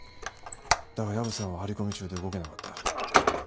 だが薮さんは張り込み中で動けなかった。